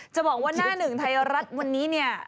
จะบอกว่าน่ะหนึ่งไทยรัฐวันนี้